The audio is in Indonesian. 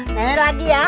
nenek lagi ya